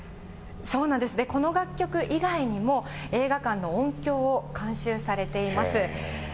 この楽曲以外にも映画館の音響を監修されています。